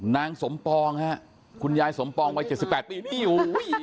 นางสมปองฮะคุณยายสมปองวัย๗๘ปีนี่อยู่